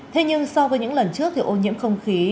thế nhưng so với những lần trước thì ô nhiễm không khí